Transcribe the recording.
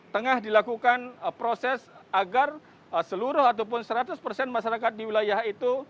tengah dilakukan proses agar seluruh ataupun seratus persen masyarakat di wilayah itu